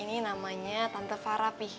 ini namanya tante farah pi